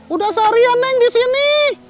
udah sorryan neng disini